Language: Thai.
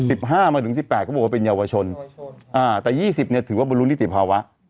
ห้ามาถึงสิบแปดเขาบอกว่าเป็นเยาวชนอ่าแต่ยี่สิบเนี้ยถือว่าบรรลุนิติภาวะ